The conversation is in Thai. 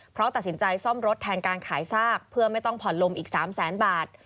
เพราะตัดสินใจซ่อมรถแทนการขายซากเพื่อไม่ต้องผ่อนลมอีก๓แสนบาท